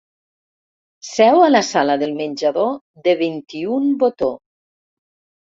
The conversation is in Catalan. Seu a la sala del menjador de vint-i-un botó.